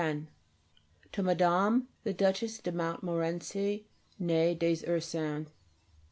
CX. _To Madame the Duchess de Montmorency (née des Ursins).